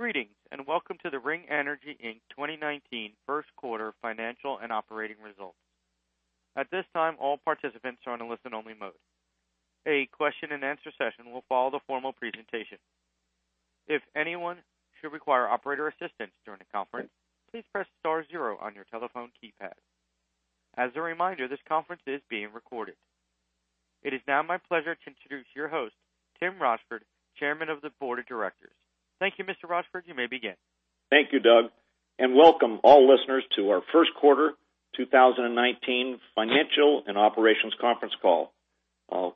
Greetings, and welcome to the Ring Energy, Inc. 2019 first quarter financial and operating results. At this time, all participants are in a listen-only mode. A question and answer session will follow the formal presentation. If anyone should require operator assistance during the conference, please press star zero on your telephone keypad. As a reminder, this conference is being recorded. It is now my pleasure to introduce your host, Tim Rochford, Chairman of the Board of Directors. Thank you, Mr. Rochford. You may begin. Thank you, Doug, and welcome all listeners to our first quarter 2019 financial and operations conference call.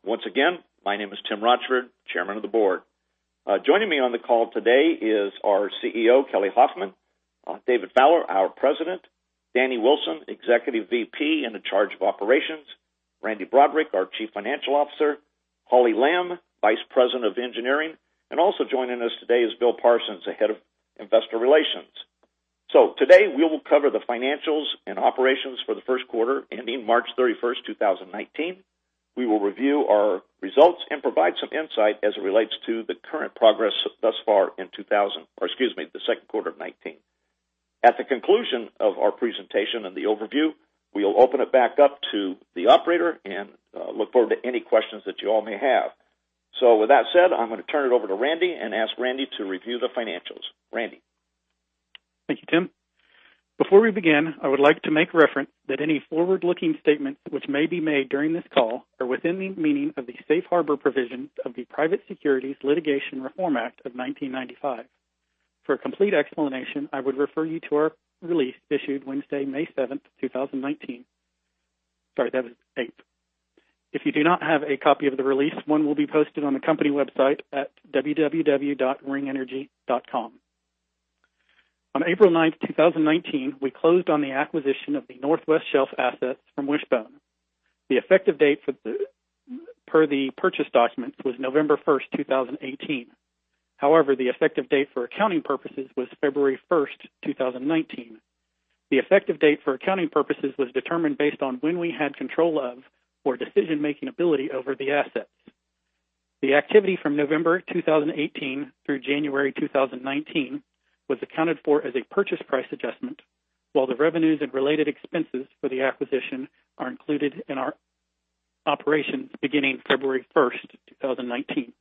Once again, my name is Tim Rochford, Chairman of the Board. Joining me on the call today is our CEO, Kelly Hoffman; David Fowler, our President; Danny Wilson, Executive VP in charge of operations; Randy Broaddrick, our Chief Financial Officer; Hollie Lamb, Vice President of Engineering, and also joining us today is Bill Parsons, the head of investor relations. Today, we will cover the financials and operations for the first quarter ending March 31st, 2019. We will review our results and provide some insight as it relates to the current progress thus far in the second quarter of 2019. At the conclusion of our presentation and the overview, we will open it back up to the operator and look forward to any questions that you all may have. With that said, I am going to turn it over to Randy and ask Randy to review the financials. Randy. Thank you, Tim. Before we begin, I would like to make reference that any forward-looking statements which may be made during this call are within the meaning of the safe harbor provisions of the Private Securities Litigation Reform Act of 1995. For a complete explanation, I would refer you to our release issued Wednesday, May 7th, 2019. Sorry, that was 8th. If you do not have a copy of the release, one will be posted on the company website at www.ringenergy.com. On April 9th, 2019, we closed on the acquisition of the Northwest Shelf assets from Wishbone. The effective date per the purchase documents was November 1st, 2018. However, the effective date for accounting purposes was February 1st, 2019. The effective date for accounting purposes was determined based on when we had control of or decision-making ability over the assets. The activity from November 2018 through January 2019 was accounted for as a purchase price adjustment, while the revenues and related expenses for the acquisition are included in our operations beginning February 1st, 2019.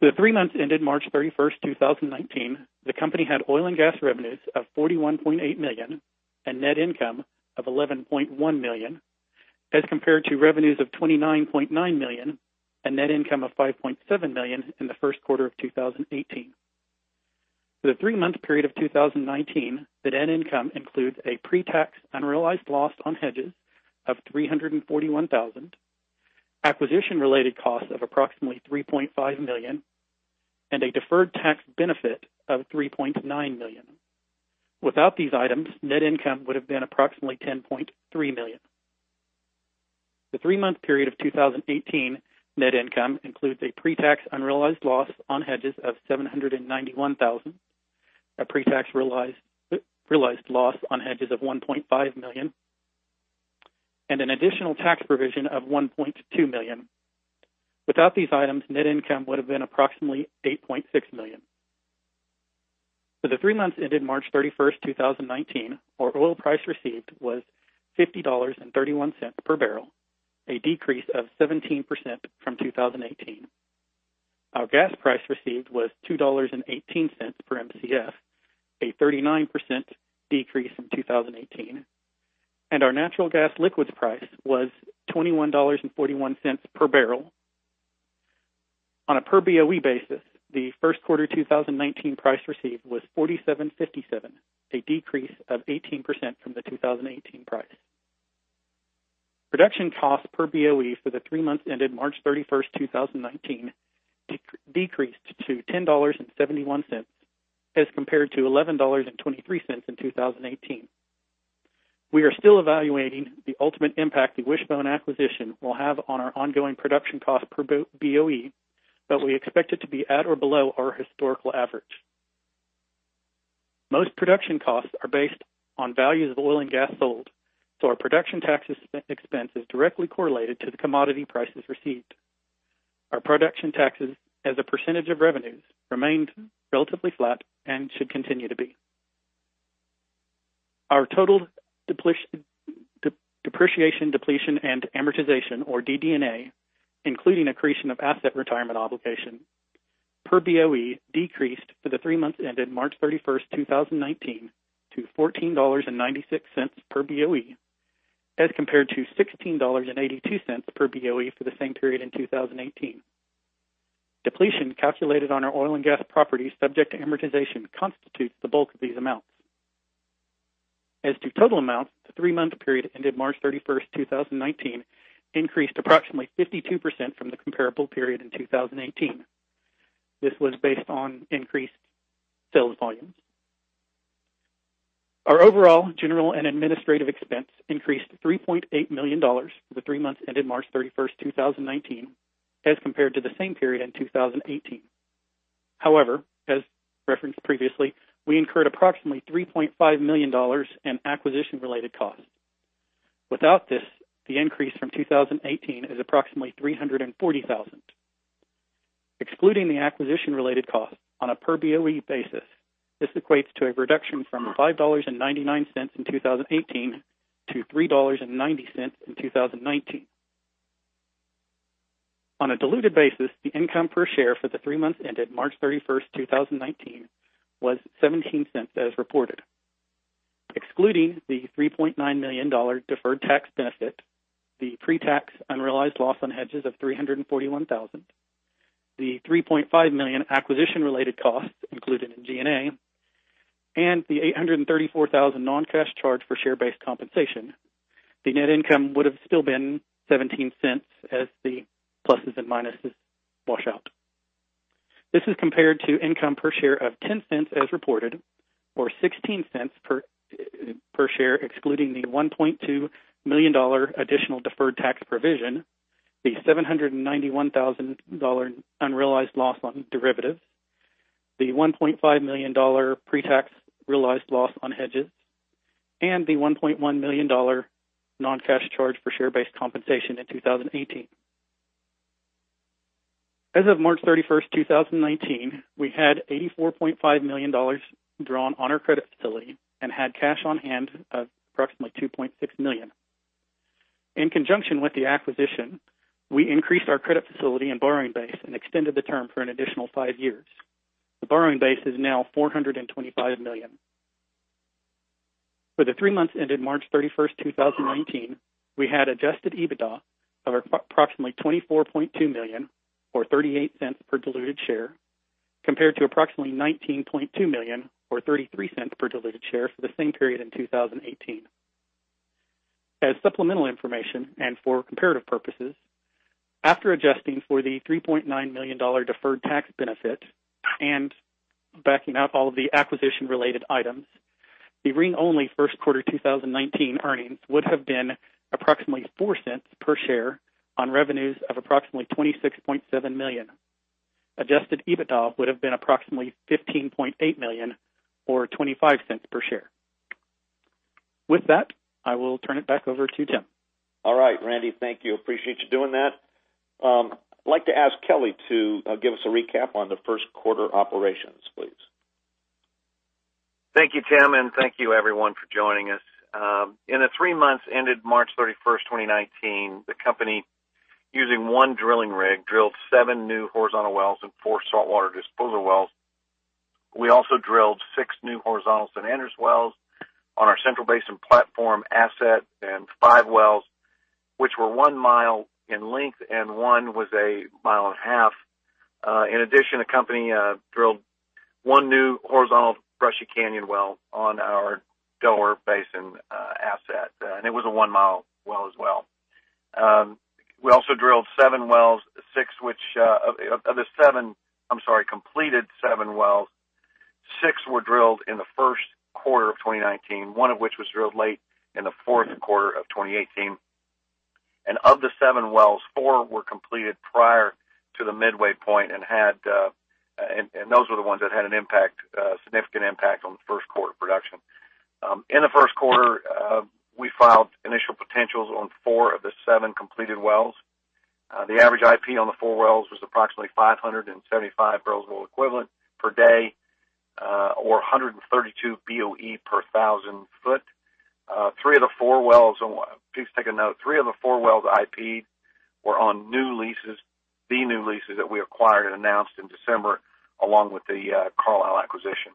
For the three months ended March 31st, 2019, the company had oil and gas revenues of $41.8 million and net income of $11.1 million, as compared to revenues of $29.9 million and net income of $5.7 million in the first quarter of 2018. For the three-month period of 2019, the net income includes a pre-tax unrealized loss on hedges of $341,000, acquisition-related costs of approximately $3.5 million, and a deferred tax benefit of $3.9 million. Without these items, net income would have been approximately $10.3 million. The three-month period of 2018 net income includes a pre-tax unrealized loss on hedges of $791,000, a pre-tax realized loss on hedges of $1.5 million, and an additional tax provision of $1.2 million. Without these items, net income would have been approximately $8.6 million. For the three months ended March 31st, 2019, our oil price received was $50.31 per barrel, a decrease of 17% from 2018. Our gas price received was $2.18 per Mcf, a 39% decrease from 2018, and our natural gas liquids price was $21.41 per barrel. On a per Boe basis, the first quarter 2019 price received was $47.57, a decrease of 18% from the 2018 price. Production cost per Boe for the three months ended March 31st, 2019 decreased to $10.71 as compared to $11.23 in 2018. We are still evaluating the ultimate impact the Wishbone acquisition will have on our ongoing production cost per Boe, but we expect it to be at or below our historical average. Most production costs are based on values of oil and gas sold, so our production tax expense is directly correlated to the commodity prices received. Our production taxes as a percentage of revenues remained relatively flat and should continue to be. Our total depreciation, depletion, and amortization or DD&A, including accretion of asset retirement obligation per Boe decreased for the three months ended March 31st, 2019 to $14.96 per Boe as compared to $16.82 per Boe for the same period in 2018. Depletion calculated on our oil and gas properties subject to amortization constitutes the bulk of these amounts. As to total amounts, the three-month period ended March 31st, 2019 increased approximately 52% from the comparable period in 2018. This was based on increased sales volumes. Our overall general and administrative expense increased $3.8 million for the three months ended March 31st, 2019 as compared to the same period in 2018. As referenced previously, we incurred approximately $3.5 million in acquisition-related costs. Without this, the increase from 2018 is approximately $340,000. Excluding the acquisition-related costs on a per Boe basis, this equates to a reduction from $5.99 in 2018 to $3.90 in 2019. On a diluted basis, the income per share for the three months ended March 31st, 2019, was $0.17 as reported. Excluding the $3.9 million deferred tax benefit, the pre-tax unrealized loss on hedges of $341,000, the $3.5 million acquisition-related costs included in G&A, and the $834,000 non-cash charge for share-based compensation, the net income would've still been $0.17 as the pluses and minuses wash out. This is compared to income per share of $0.10 as reported, or $0.16 per share excluding the $1.2 million additional deferred tax provision, the $791,000 unrealized loss on derivatives, the $1.5 million pre-tax realized loss on hedges, and the $1.1 million non-cash charge for share-based compensation in 2018. As of March 31st, 2019, we had $84.5 million drawn on our credit facility and had cash on hand of approximately $2.6 million. In conjunction with the acquisition, we increased our credit facility and borrowing base and extended the term for an additional five years. The borrowing base is now $425 million. For the three months ended March 31st, 2019, we had adjusted EBITDA of approximately $24.2 million, or $0.38 per diluted share, compared to approximately $19.2 million, or $0.33 per diluted share for the same period in 2018. As supplemental information and for comparative purposes, after adjusting for the $3.9 million deferred tax benefit and backing out all of the acquisition-related items, the Ring only first quarter 2019 earnings would have been approximately $0.04 per share on revenues of approximately $26.7 million. Adjusted EBITDA would've been approximately $15.8 million or $0.25 per share. With that, I will turn it back over to Tim. All right, Randy. Thank you. Appreciate you doing that. I'd like to ask Kelly to give us a recap on the first quarter operations, please. Thank you, Tim, and thank you everyone for joining us. In the three months ended March 31st, 2019, the company, using one drilling rig, drilled seven new horizontal wells and four saltwater disposal wells. We also drilled six new horizontal San Andres wells on our Central Basin Platform asset and five wells, which were one mile in length, and one was a mile and a half. In addition, the company drilled one new horizontal Brushy Canyon well on our Delaware Basin asset. It was a one-mile well as well. Of the seven completed seven wells, six were drilled in the first quarter of 2019, one of which was drilled late in the fourth quarter of 2018. Of the seven wells, four were completed prior to the midway point and those were the ones that had a significant impact on first quarter production. In the first quarter, we filed initial potentials on four of the seven completed wells. The average IP on the four wells was approximately 575 barrels of oil equivalent per day, or 132 Boe per 1,000 foot. Please take a note, three of the four wells IP'd were on the new leases that we acquired and announced in December along with The Carlyle Group acquisition.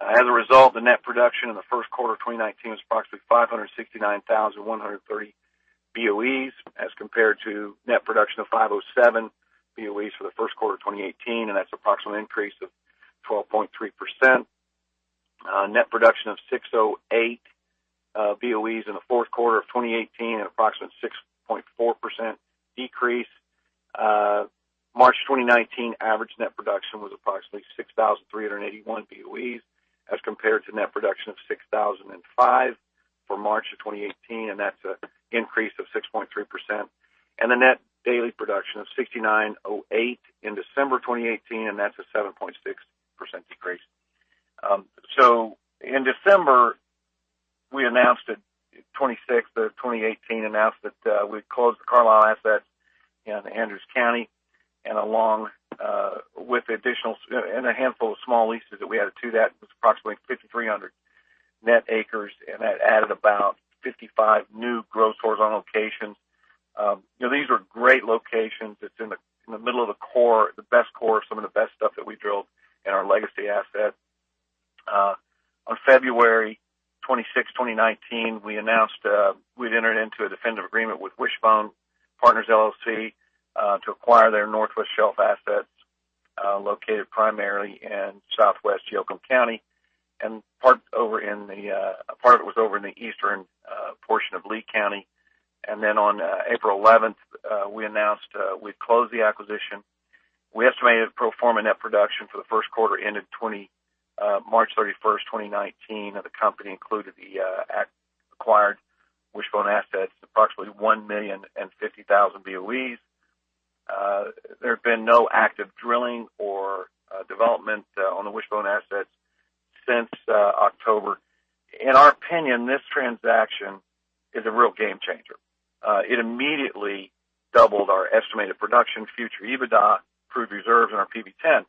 The net production in the first quarter of 2019 was approximately 569,130 Boes, as compared to net production of 507,000 Boes for the first quarter of 2018, and that's approximate increase of 12.3%. Net production of 608,000 Boes in the fourth quarter of 2018 at approximate 6.4% decrease. March 2019 average net production was approximately 6,381 Boes as compared to net production of 6,005 for March of 2018, and that's a increase of 6.3%. The net daily production of 6,908 in December 2018, and that's a 7.6% decrease. In December 26 of 2018, we announced that we closed The Carlyle Group assets in Andrews County, and a handful of small leases that we added to that. It was approximately 5,300 net acres, and that added about 55 new gross horizontal locations. These are great locations. It's in the middle of the core, the best core, some of the best stuff that we drilled in our legacy asset. On February 26, 2019, we announced we'd entered into a definitive agreement with Wishbone Energy Partners, LLC, to acquire their Northwest Shelf assets, located primarily in Southwest Yoakum County and a part was over in the eastern portion of Lea County. On April 11, we announced we'd closed the acquisition. We estimated pro forma net production for the first quarter ended March 31, 2019, of the company included the acquired Wishbone assets, approximately 1,050,000 Boes. There have been no active drilling or development on the Wishbone assets since October. In our opinion, this transaction is a real game changer. It immediately doubled our estimated production, future EBITDA, proved reserves, and our PV-10.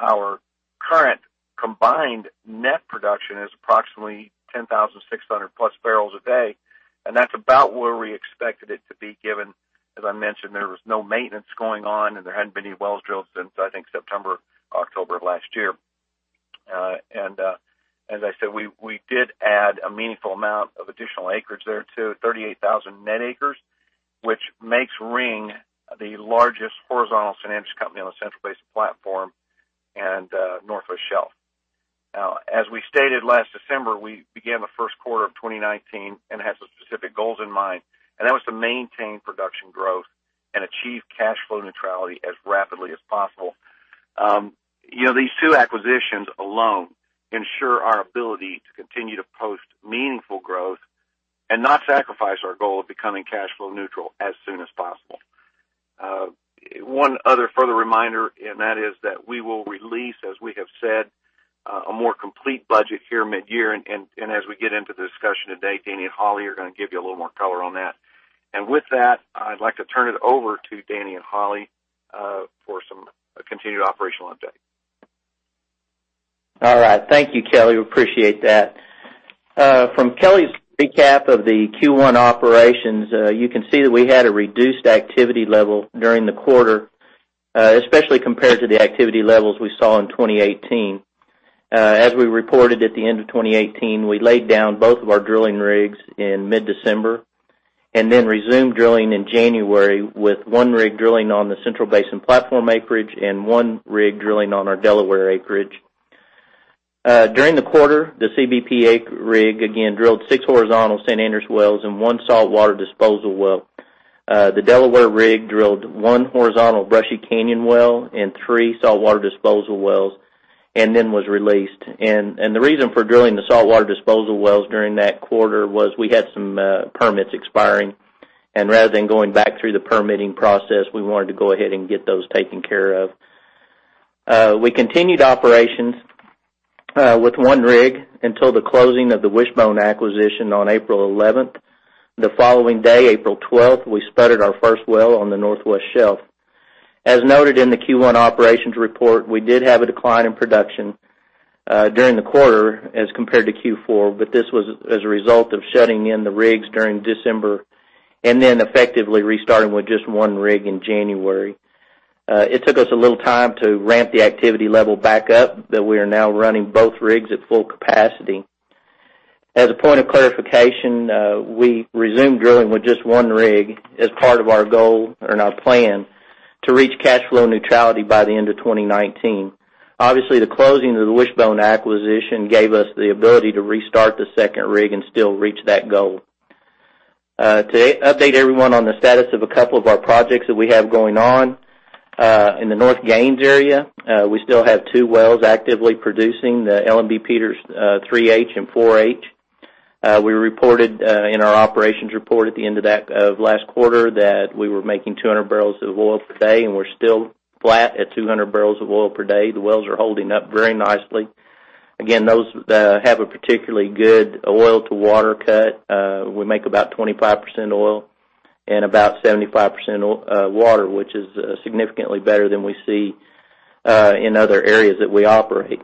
Our current combined net production is approximately 10,600+ barrels a day, and that's about where we expected it to be given, as I mentioned, there was no maintenance going on, and there hadn't been any wells drilled since, I think, September or October of last year. As I said, we did add a meaningful amount of additional acreage there, too, 38,000 net acres, which makes Ring the largest horizontal sand company on the Central Basin Platform and the Northwest Shelf. As we stated last December, we began the first quarter of 2019 and had some specific goals in mind, and that was to maintain production growth and achieve cash flow neutrality as rapidly as possible. These two acquisitions alone ensure our ability to continue to post meaningful growth and not sacrifice our goal of becoming cash flow neutral as soon as possible. One other further reminder, and that is that we will release, as we have said, a more complete budget here mid-year. As we get into the discussion today, Danny and Hollie are going to give you a little more color on that. With that, I'd like to turn it over to Danny and Hollie for some continued operational update. All right. Thank you, Kelly. We appreciate that. From Kelly's recap of the Q1 operations, you can see that we had a reduced activity level during the quarter, especially compared to the activity levels we saw in 2018. As we reported at the end of 2018, we laid down both of our drilling rigs in mid-December and then resumed drilling in January with one rig drilling on the Central Basin Platform acreage and one rig drilling on our Delaware acreage. During the quarter, the CBP rig, again, drilled six horizontal San Andres wells and one saltwater disposal well. The Delaware rig drilled one horizontal Brushy Canyon well and three saltwater disposal wells. Was released. The reason for drilling the saltwater disposal wells during that quarter was we had some permits expiring, and rather than going back through the permitting process, we wanted to go ahead and get those taken care of. We continued operations with one rig until the closing of the Wishbone acquisition on April 11th. The following day, April 12th, we spudded our first well on the Northwest Shelf. As noted in the Q1 operations report, we did have a decline in production during the quarter as compared to Q4, but this was as a result of shutting in the rigs during December and then effectively restarting with just one rig in January. It took us a little time to ramp the activity level back up, but we are now running both rigs at full capacity. As a point of clarification, we resumed drilling with just one rig as part of our goal or our plan to reach cash flow neutrality by the end of 2019. Obviously, the closing of the Wishbone acquisition gave us the ability to restart the second rig and still reach that goal. To update everyone on the status of a couple of our projects that we have going on. In the North Gaines area, we still have two wells actively producing, the Ellen B. Peters 3H and 4H. We reported in our operations report at the end of last quarter that we were making 200 barrels of oil per day, and we're still flat at 200 barrels of oil per day. The wells are holding up very nicely. Again, those have a particularly good oil-to-water cut. We make about 25% oil and about 75% water, which is significantly better than we see in other areas that we operate.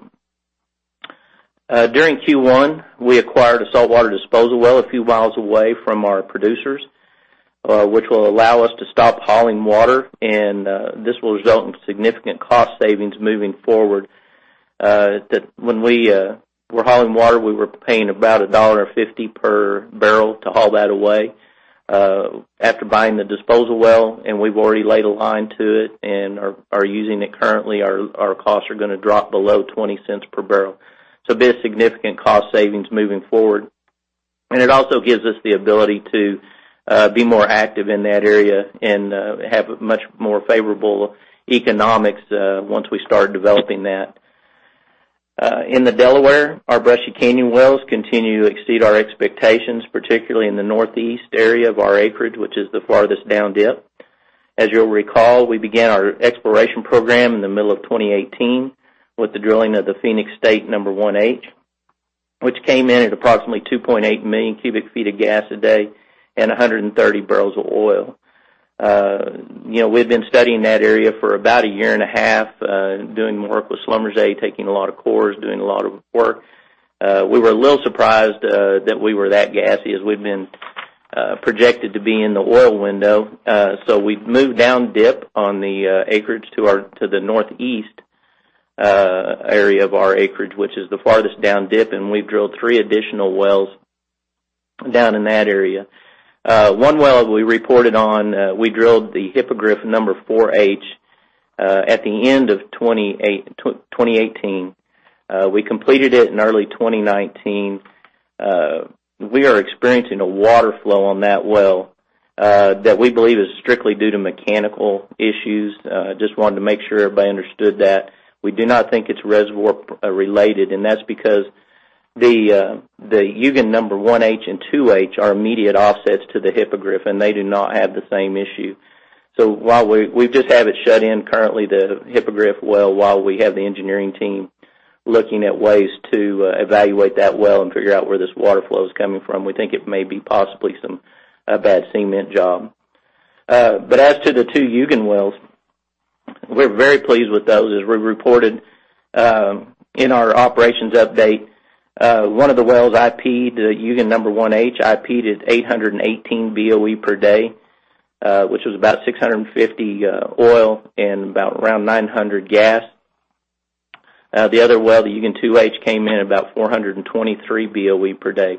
During Q1, we acquired a saltwater disposal well a few miles away from our producers, which will allow us to stop hauling water, and this will result in significant cost savings moving forward. When we were hauling water, we were paying about $1.50 per barrel to haul that away. After buying the disposal well, and we've already laid a line to it and are using it currently, our costs are going to drop below $0.20 per barrel. So it'll be a significant cost savings moving forward, and it also gives us the ability to be more active in that area and have much more favorable economics once we start developing that. In the Delaware, our Brushy Canyon wells continue to exceed our expectations, particularly in the northeast area of our acreage, which is the farthest down-dip. As you'll recall, we began our exploration program in the middle of 2018 with the drilling of the Phoenix State 1H, which came in at approximately 2.8 million cubic feet of gas per day and 130 barrels of oil. We've been studying that area for about a year and a half, doing work with Schlumberger, taking a lot of cores, doing a lot of work. We were a little surprised that we were that gassy as we'd been projected to be in the oil window. We've moved down-dip on the acreage to the northeast area of our acreage, which is the farthest down-dip, and we've drilled three additional wells down in that area. One well we reported on, we drilled the Hippogriff 4H at the end of 2018. We completed it in early 2019. We are experiencing a water flow on that well that we believe is strictly due to mechanical issues. Just wanted to make sure everybody understood that. We do not think it's reservoir-related, and that's because the Hugin 1H and 2H are immediate offsets to the Hippogriff, and they do not have the same issue. We just have it shut in currently, the Hippogriff well, while we have the engineering team looking at ways to evaluate that well and figure out where this water flow is coming from. We think it may be possibly a bad cement job. But as to the two Hugin wells, we're very pleased with those. As we reported in our operations update, one of the wells IP'd, the Hugin 1H IP'd at 818 BOE per day, which was about 650 oil and around 900 gas. The other well, the Hugin 2H, came in about 423 BOE per day.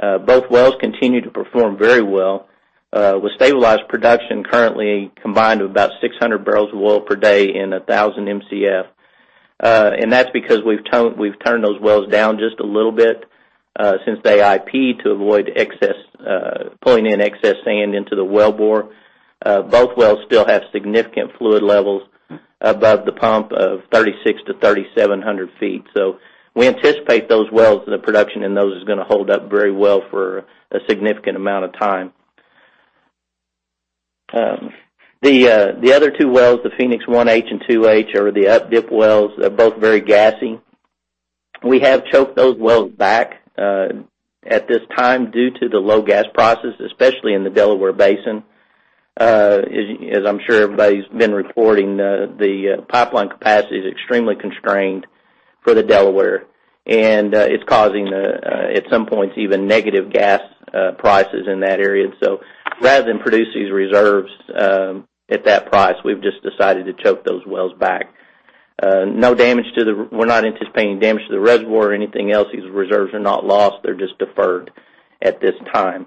Both wells continue to perform very well, with stabilized production currently combined of about 600 barrels of oil per day and 1,000 Mcf. That's because we've turned those wells down just a little bit since they IP'd to avoid pulling in excess sand into the wellbore. Both wells still have significant fluid levels above the pump of 3,600 to 3,700 feet. We anticipate the production in those is going to hold up very well for a significant amount of time. The other two wells, the Phoenix 1H and 2H are the up-dip wells. They're both very gassy. We have choked those wells back at this time due to the low gas prices, especially in the Delaware Basin. As I'm sure everybody's been reporting, the pipeline capacity is extremely constrained for the Delaware, and it's causing, at some points, even negative gas prices in that area. Rather than produce these reserves at that price, we've just decided to choke those wells back. We're not anticipating damage to the reservoir or anything else. These reserves are not lost, they're just deferred at this time.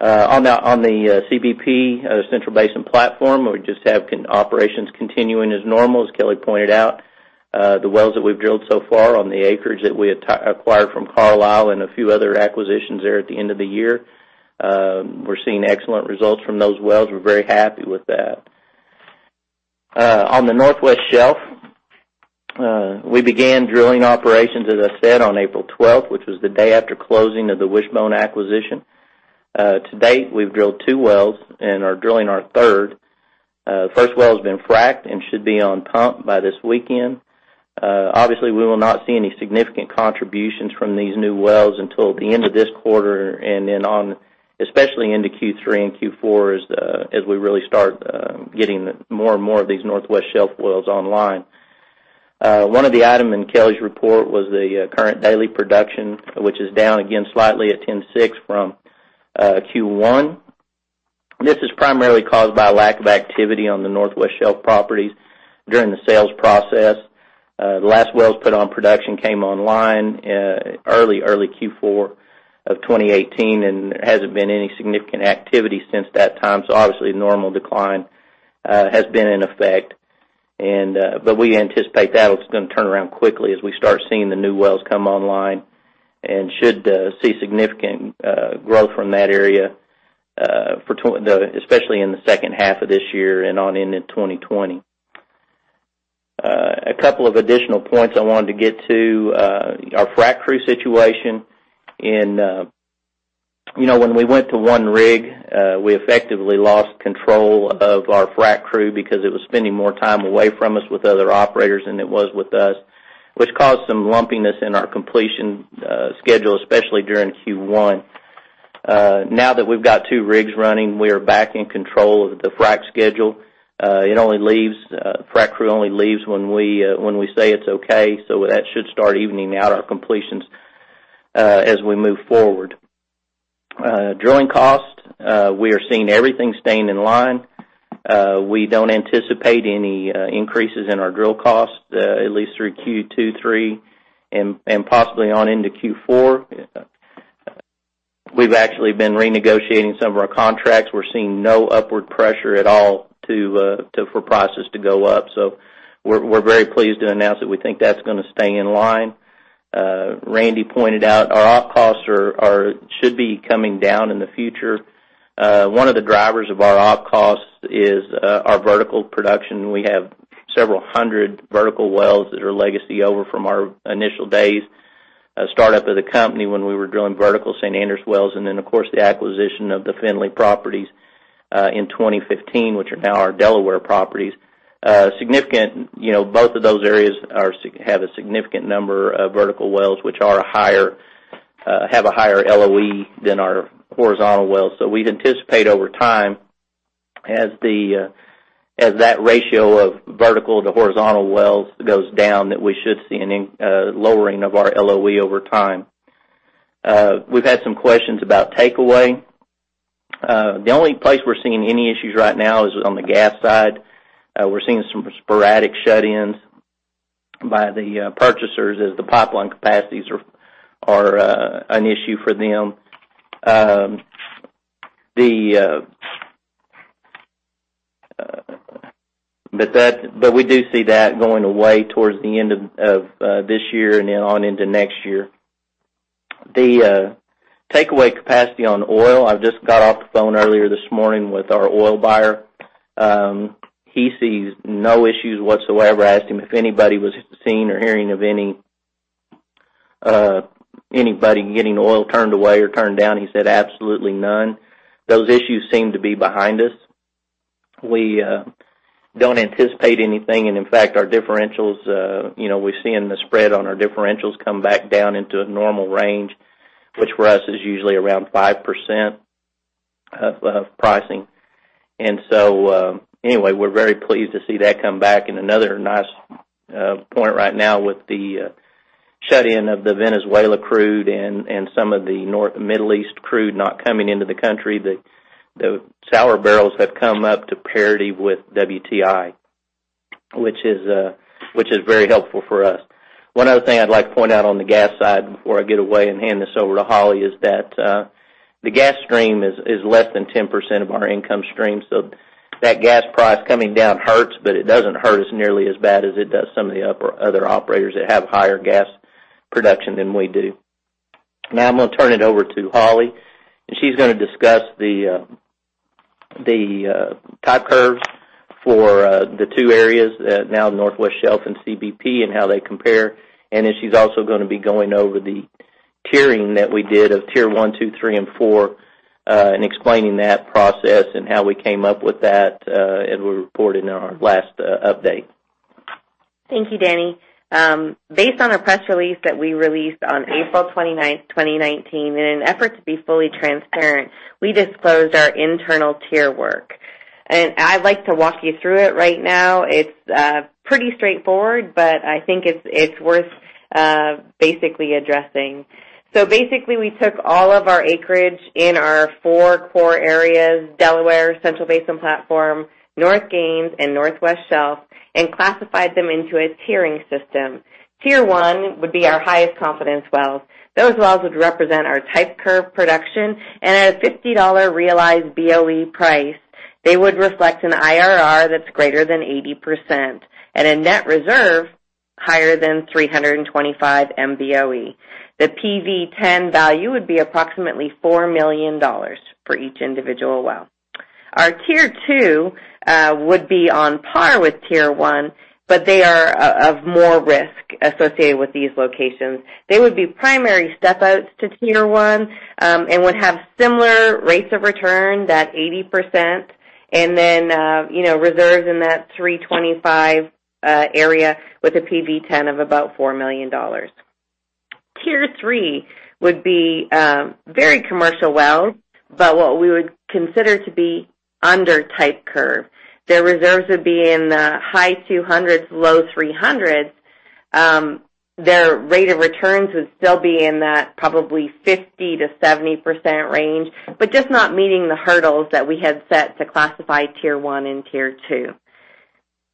On the CBP, Central Basin Platform, we just have operations continuing as normal. As Kelly pointed out, the wells that we've drilled so far on the acreage that we acquired from Carlyle and a few other acquisitions there at the end of the year, we're seeing excellent results from those wells. We're very happy with that. On the Northwest Shelf, we began drilling operations, as I said, on April 12th, which was the day after closing of the Wishbone acquisition. To date, we've drilled two wells and are drilling our third. First well has been fracked and should be on pump by this weekend. Obviously, we will not see any significant contributions from these new wells until the end of this quarter and then on, especially into Q3 and Q4, as we really start getting more and more of these Northwest Shelf wells online. One of the items in Kelly's report was the current daily production, which is down again slightly at 10.6 from Q1. This is primarily caused by lack of activity on the Northwest Shelf properties during the sales process. The last wells put on production came online early Q4 of 2018, and there hasn't been any significant activity since that time. Obviously, normal decline has been in effect. We anticipate that is going to turn around quickly as we start seeing the new wells come online, and should see significant growth from that area, especially in the second half of this year and on into 2020. A couple of additional points I wanted to get to. Our frac crew situation. When we went to one rig, we effectively lost control of our frac crew because it was spending more time away from us with other operators than it was with us, which caused some lumpiness in our completion schedule, especially during Q1. Now that we've got two rigs running, we are back in control of the frac schedule. Frac crew only leaves when we say it's okay, so that should start evening out our completions as we move forward. Drilling cost, we are seeing everything staying in line. We don't anticipate any increases in our drill cost, at least through Q2, 3, and possibly on into Q4. We've actually been renegotiating some of our contracts. We're seeing no upward pressure at all for prices to go up. We're very pleased to announce that we think that's going to stay in line. Randy pointed out our op costs should be coming down in the future. One of the drivers of our op costs is our vertical production. We have several hundred vertical wells that are legacy over from our initial days, startup of the company when we were drilling vertical San Andres wells, and then of course, the acquisition of the Finley properties in 2015, which are now our Delaware properties. Both of those areas have a significant number of vertical wells, which have a higher LOE than our horizontal wells. We anticipate over time, as that ratio of vertical to horizontal wells goes down, that we should see a lowering of our LOE over time. We've had some questions about takeaway. The only place we're seeing any issues right now is on the gas side. We're seeing some sporadic shut-ins by the purchasers as the pipeline capacities are an issue for them. We do see that going away towards the end of this year and then on into next year. The takeaway capacity on oil, I just got off the phone earlier this morning with our oil buyer. He sees no issues whatsoever. I asked him if anybody was seeing or hearing of anybody getting oil turned away or turned down. He said absolutely none. Those issues seem to be behind us. In fact, our differentials, we're seeing the spread on our differentials come back down into a normal range, which for us is usually around 5% of pricing. Anyway, we're very pleased to see that come back. Another nice point right now with the shut-in of the Venezuela crude and some of the Middle East crude not coming into the country, the sour barrels have come up to parity with WTI, which is very helpful for us. One other thing I'd like to point out on the gas side before I get away and hand this over to Hollie is that the gas stream is less than 10% of our income stream. That gas price coming down hurts, but it doesn't hurt us nearly as bad as it does some of the other operators that have higher gas production than we do. Now I'm going to turn it over to Hollie, and she's going to discuss the type curves for the two areas, now Northwest Shelf and CBP, and how they compare. She's also going to be going over the tiering that we did of Tier 1, 2, 3, and 4, explaining that process and how we came up with that as we reported in our last update. Thank you, Danny. Based on a press release that we released on April 29th, 2019, in an effort to be fully transparent, we disclosed our internal tier work. I'd like to walk you through it right now. It's pretty straightforward, but I think it's worth basically addressing. Basically, we took all of our acreage in our four core areas, Delaware, Central Basin Platform, North Gaines, and Northwest Shelf, and classified them into a tiering system. Tier 1 would be our highest confidence wells. Those wells would represent our type curve production, and at a $50 realized BOE price, they would reflect an IRR that's greater than 80%, and a net reserve higher than 325 MBOE. The PV-10 value would be approximately $4 million for each individual well. Our Tier 2 would be on par with Tier 1, but they are of more risk associated with these locations. They would be primary step outs to Tier 1 and would have similar rates of return, that 80%, and then reserves in that 325 area with a PV-10 of about $4 million. Tier 3 would be very commercial wells, but what we would consider to be under type curve. Their reserves would be in the high 200s, low 300s. Their rate of returns would still be in that probably 50%-70% range, but just not meeting the hurdles that we had set to classify Tier 1 and Tier 2.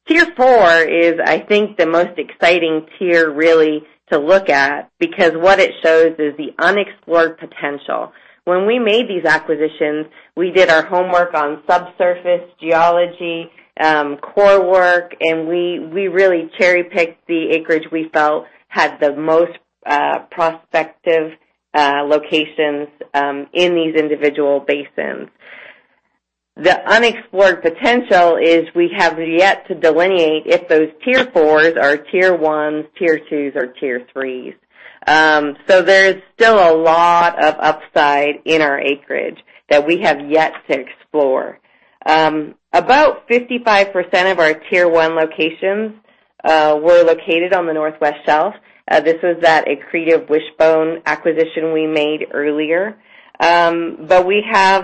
Tier 4 is, I think, the most exciting tier really to look at because what it shows is the unexplored potential. When we made these acquisitions, we did our homework on subsurface geology, core work, and we really cherry-picked the acreage we felt had the most prospective locations in these individual basins. The unexplored potential is we have yet to delineate if those Tier 4s are Tier 1s, Tier 2s, or Tier 3s. There's still a lot of upside in our acreage that we have yet to explore. About 55% of our Tier 1 locations were located on the Northwest Shelf. This is that accretive Wishbone acquisition we made earlier. We have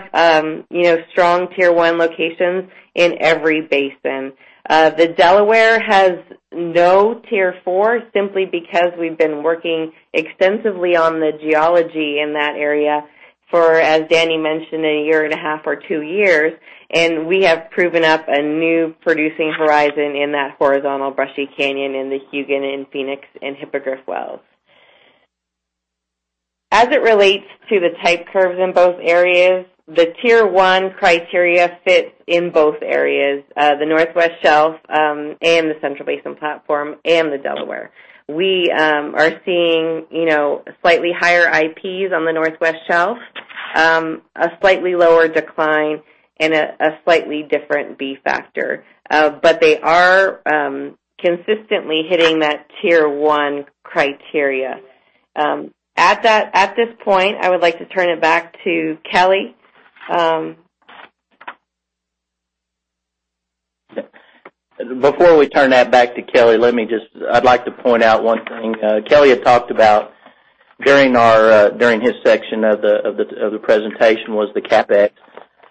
strong Tier 1 locations in every basin. The Delaware has no Tier 4 simply because we've been working extensively on the geology in that area for, as Danny mentioned, a year and a half or two years, and we have proven up a new producing horizon in that horizontal Brushy Canyon in the Hugin and Phoenix and Hippogriff wells. As it relates to the type curves in both areas, the Tier 1 criteria fits in both areas, the Northwest Shelf and the Central Basin Platform and the Delaware. We are seeing slightly higher IPs on the Northwest Shelf, a slightly lower decline, and a slightly different B factor. They are consistently hitting that Tier 1 criteria. At this point, I would like to turn it back to Kelly. Before we turn that back to Kelly, I'd like to point out one thing. Kelly had talked about during his section of the presentation, was the CapEx.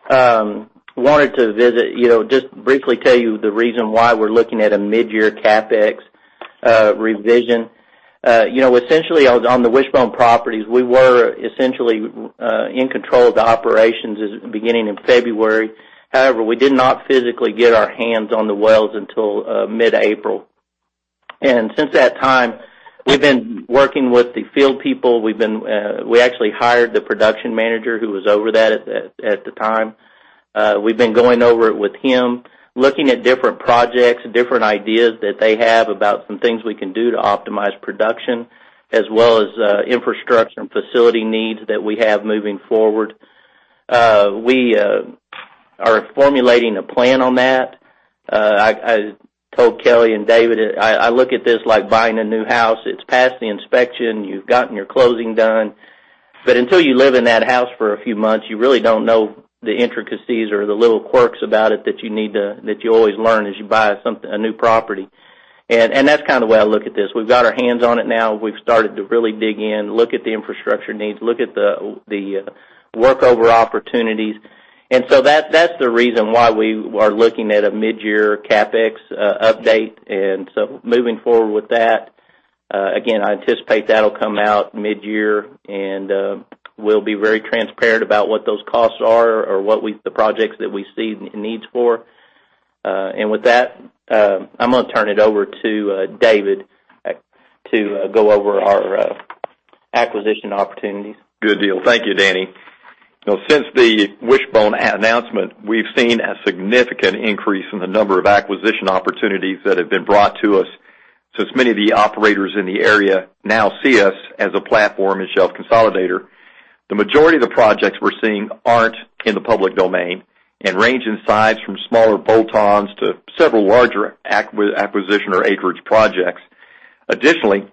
I wanted to briefly tell you the reason why we're looking at a mid-year CapEx revision. On the Wishbone properties, we were essentially in control of the operations at the beginning of February. We did not physically get our hands on the wells until mid-April. Since that time, we've been working with the field people. We actually hired the production manager who was over that at the time. We've been going over it with him, looking at different projects, different ideas that they have about some things we can do to optimize production, as well as infrastructure and facility needs that we have moving forward. We are formulating a plan on that. I told Kelly and David, I look at this like buying a new house. It's passed the inspection. You've gotten your closing done. Until you live in that house for a few months, you really don't know the intricacies or the little quirks about it that you always learn as you buy a new property. That's the way I look at this. We've got our hands on it now. We've started to really dig in, look at the infrastructure needs, look at the workover opportunities. That's the reason why we are looking at a mid-year CapEx update. Moving forward with that, again, I anticipate that'll come out mid-year, and we'll be very transparent about what those costs are or the projects that we see needs for. With that, I'm going to turn it over to David to go over our acquisition opportunities. Good deal. Thank you, Danny. Since the Wishbone announcement, we've seen a significant increase in the number of acquisition opportunities that have been brought to us, since many of the operators in the area now see us as a platform and shelf consolidator. The majority of the projects we're seeing aren't in the public domain and range in size from smaller bolt-ons to several larger acquisition or acreage projects. Additionally,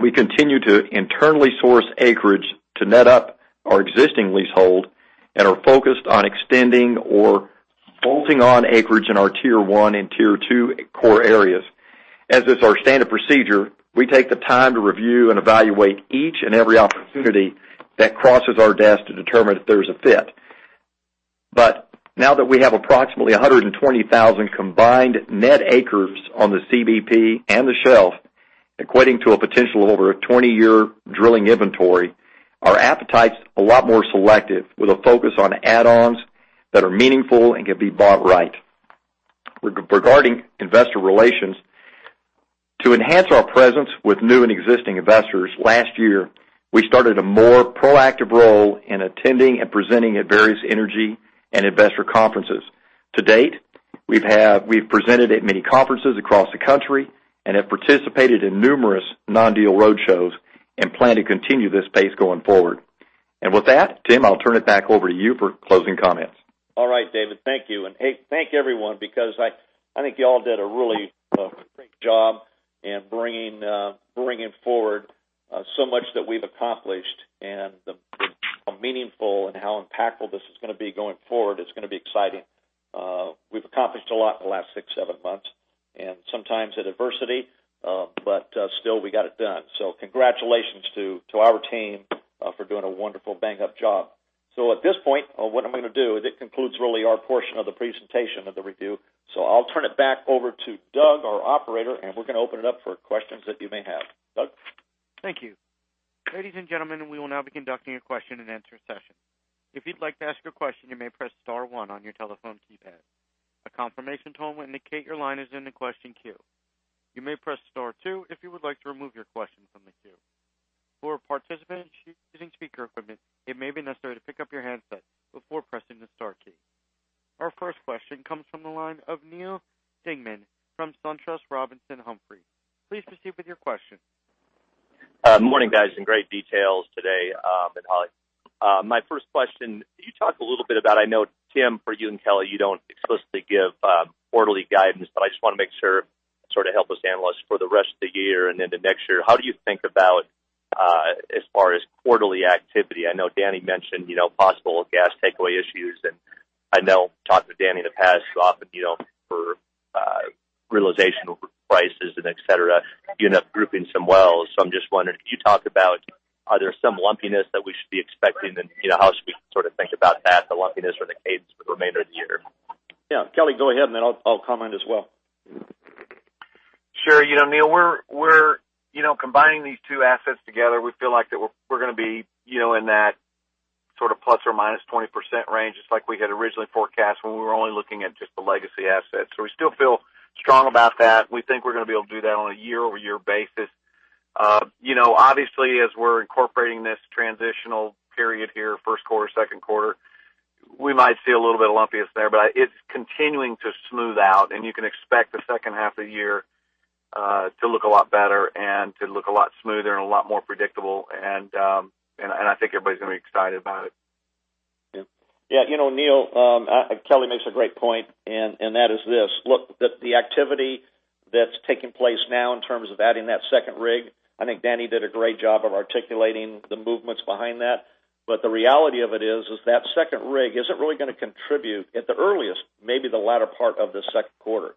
we continue to internally source acreage to net up our existing leasehold and are focused on extending or bolting on acreage in our tier 1 and tier 2 core areas. As is our standard procedure, we take the time to review and evaluate each and every opportunity that crosses our desk to determine if there's a fit. Now that we have approximately 120,000 combined net acres on the CBP and the shelf, equating to a potential over a 20-year drilling inventory, our appetite's a lot more selective, with a focus on add-ons that are meaningful and can be bought right. Regarding investor relations, to enhance our presence with new and existing investors, last year, we started a more proactive role in attending and presenting at various energy and investor conferences. To date, we've presented at many conferences across the country and have participated in numerous non-deal roadshows and plan to continue this pace going forward. With that, Tim, I'll turn it back over to you for closing comments. All right, David, thank you. Thank everyone, because I think you all did a really great job in bringing forward so much that we've accomplished, and how meaningful and how impactful this is going to be going forward. It's going to be exciting. We've accomplished a lot in the last six, seven months, and sometimes the adversity, but still we got it done. Congratulations to our team for doing a wonderful bang-up job. At this point, what I'm going to do is it concludes really our portion of the presentation of the review. I'll turn it back over to Doug, our operator, and we're going to open it up for questions that you may have. Doug? Thank you. Ladies and gentlemen, we will now be conducting a question and answer session. If you'd like to ask a question, you may press star one on your telephone keypad. A confirmation tone will indicate your line is in the question queue. You may press star two if you would like to remove your question from the queue. For participants using speaker equipment, it may be necessary to pick up your handset before pressing the star key. Our first question comes from the line of Neal Dingmann from SunTrust Robinson Humphrey. Please proceed with your question. Morning, guys. Great details today. Hollie, my first question, you talked a little bit about. I know Tim, for you and Kelly, you don't explicitly give quarterly guidance. I just want to make sure, help us analysts for the rest of the year and into next year, how do you think about as far as quarterly activity? I know Danny mentioned possible gas takeaway issues. I know, talked to Danny in the past often for realization over prices and et cetera, you end up grouping some wells. I'm just wondering, can you talk about, are there some lumpiness that we should be expecting, and how should we think about that, the lumpiness or the cadence for the remainder of the year? Yeah. Kelly, go ahead, and then I'll comment as well. Sure. Neal, we're combining these two assets together. We feel like that we're going to be in that ±20% range, just like we had originally forecast when we were only looking at just the legacy assets. We still feel strong about that. We think we're going to be able to do that on a year-over-year basis. Obviously, as we're incorporating this transitional period here, first quarter, second quarter, we might see a little bit of lumpiness there. It's continuing to smooth out, and you can expect the second half of the year to look a lot better and to look a lot smoother and a lot more predictable. I think everybody's going to be excited about it. Yeah. Neal, Kelly makes a great point, and that is this. Look, the activity that's taking place now in terms of adding that second rig, I think Danny did a great job of articulating the movements behind that. The reality of it is that second rig isn't really going to contribute at the earliest, maybe the latter part of the second quarter.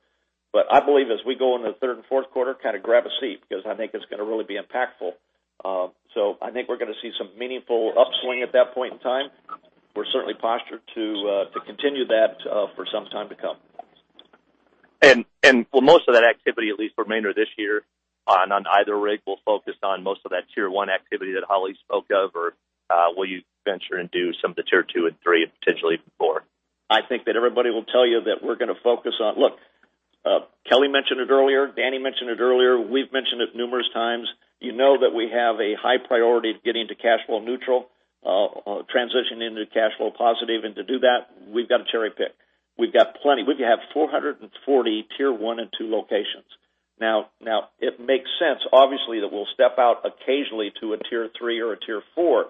I believe as we go into the third and fourth quarter, grab a seat, because I think it's going to really be impactful. I think we're going to see some meaningful upswing at that point in time. We're certainly postured to continue that for some time to come. Will most of that activity, at least remainder of this year on either rig, focus on most of that tier 1 activity that Hollie spoke of, or will you venture and do some of the tier 2 and 3 and potentially 4? I think that everybody will tell you that we're going to focus on. Look. Kelly mentioned it earlier. Danny mentioned it earlier. We've mentioned it numerous times. You know that we have a high priority of getting to cash flow neutral, transitioning into cash flow positive, and to do that, we've got to cherry-pick. We've got plenty. We have 440 Tier 1 and 2 locations. It makes sense, obviously, that we'll step out occasionally to a Tier 3 or a Tier 4,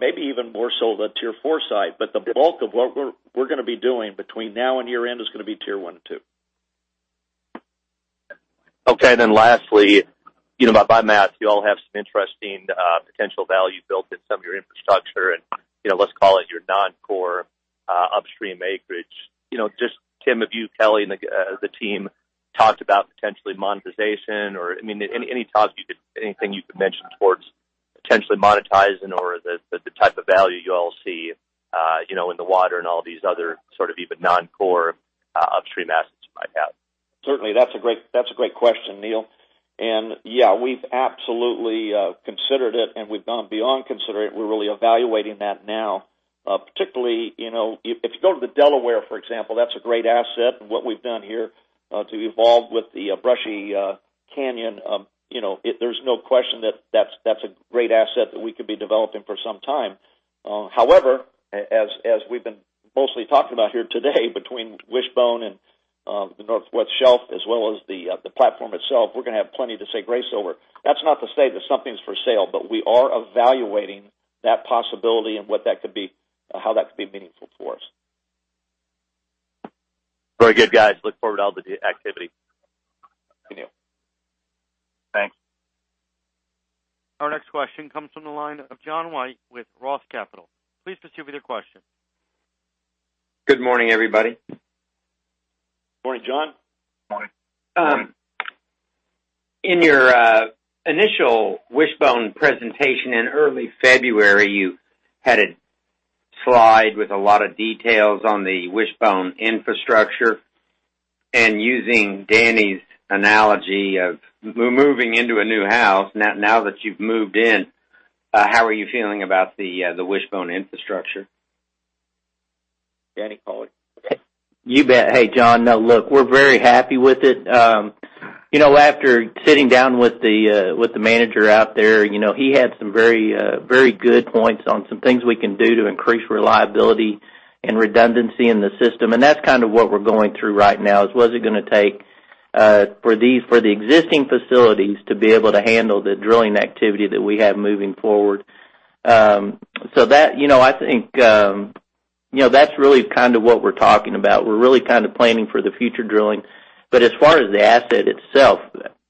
maybe even more so the Tier 4 site. The bulk of what we're going to be doing between now and year-end is going to be Tier 1 and 2. Okay, lastly, by math, you all have some interesting potential value built in some of your infrastructure, and let's call it your non-core upstream acreage. Tim, have you, Kelly, and the team talked about potential monetization? Any thoughts, anything you could mention towards potentially monetizing or the type of value you all see in the water and all these other sort of even non-core upstream assets you might have? Certainly. That's a great question, Neal. Yeah, we've absolutely considered it, and we've gone beyond considering it. We're really evaluating that now. Particularly, if you go to the Delaware, for example, that's a great asset, and what we've done here to evolve with the Brushy Canyon. There's no question that that's a great asset that we could be developing for some time. As we've been mostly talking about here today, between Wishbone and the Northwest Shelf, as well as the platform itself, we're going to have plenty to say grace over. That's not to say that something's for sale, we are evaluating that possibility and how that could be meaningful for us. Very good, guys. Look forward to all the activity. Thank you. Thanks. Our next question comes from the line of John White with ROTH Capital Partners. Please proceed with your question. Good morning, everybody. Morning, John. Morning. In your initial Wishbone presentation in early February, you had a slide with a lot of details on the Wishbone infrastructure. Using Danny's analogy of moving into a new house, now that you've moved in, how are you feeling about the Wishbone infrastructure? Danny, call it. You bet. Hey, John. Look, we're very happy with it. After sitting down with the manager out there, he had some very good points on some things we can do to increase reliability and redundancy in the system, that's kind of what we're going through right now, is what is it going to take for the existing facilities to be able to handle the drilling activity that we have moving forward. That, I think, that's really what we're talking about. We're really planning for the future drilling. As far as the asset itself,